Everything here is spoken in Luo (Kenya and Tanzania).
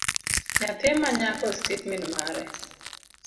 Nyathi manyako osiep min mare